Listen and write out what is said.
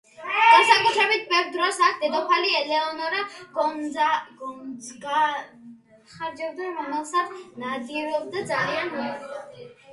განსაკუთრებით ბევრ დროს აქ დედოფალი ელეონორა გონძაგა ხარჯავდა, რომელსაც ნადირობა ძალიან უყვარდა.